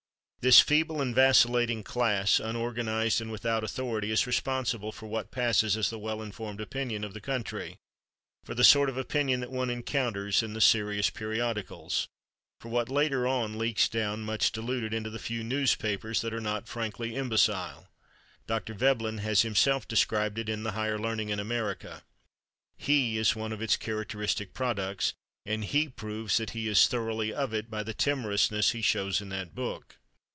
This feeble and vacillating class, unorganized and without authority, is responsible for what passes as the well informed opinion of the country—for the sort of opinion that one encounters in the serious periodicals—for what later on leaks down, much diluted, into the few newspapers that are not frankly imbecile. Dr. Veblen has himself described it in "The Higher Learning in America"; he is one of its characteristic products, and he proves that he is thoroughly of it by the timorousness he shows in that book.